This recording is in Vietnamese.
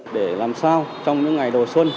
để làm sao trong những ngày đầu xuân